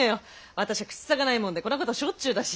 私ゃ口さがないもんでこんなこたしょっちゅうだし。